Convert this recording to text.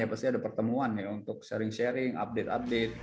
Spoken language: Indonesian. pasti ada pertemuan untuk sharing sharing update update